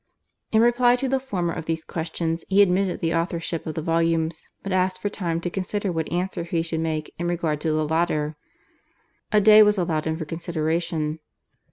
In reply to the former of these questions he admitted the authorship of the volumes, but asked for time to consider what answer he should make in regard to the latter. A day was allowed him for consideration.